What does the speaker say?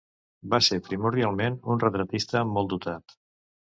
Va ser primordialment un retratista molt dotat.